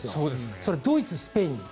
それ、ドイツ、スペインに。